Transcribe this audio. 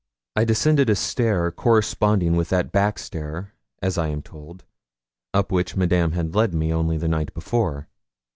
I descended a stair corresponding with that backstair, as I am told, up which Madame had led me only the night before.